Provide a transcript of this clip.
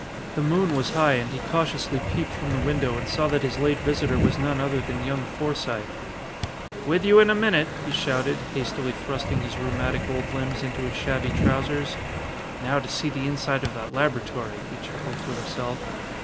The moon was high and he cautiously peeped from the window and saw that his late visitor was none other than young Forsythe. "With you in a minute!" he shouted, hastily thrusting his rheumatic old limbs into his shabby trousers. "Now to see the inside of that laboratory," he chuckled to himself.